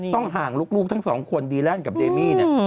ต้องห่างลูกทั้ง๒คนดีแล่นกับเดมี่นี่